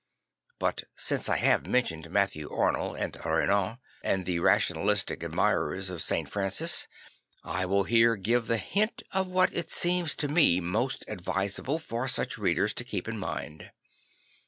But since I have mentioned l\Iatthew Arnold and Renan and the ra tionalistic admirers of St. Francis, I will here give the hint of what it seems to me most advisable for such readers to keep in mind.